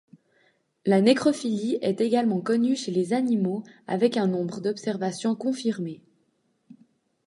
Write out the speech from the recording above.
La nécrophilie est également connue chez les animaux avec un nombre d'observations confirmées.